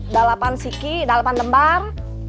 dalapan siki dalapan lembar